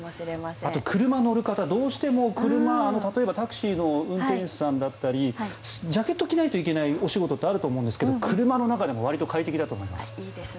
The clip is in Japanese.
あと、車に乗る方どうしても車例えばタクシーの運転手さんだったりジャケット着ないといけないお仕事ってあると思うんですが車の中でもわりと快適だと思います。